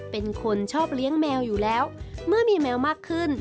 เป็นคนชอบเลี้ยงแมวอยู่แล้วเมื่อมีแมวมากขึ้น